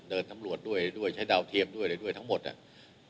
ตำรวจด้วยด้วยใช้ดาวเทียมด้วยอะไรด้วยทั้งหมดอ่ะ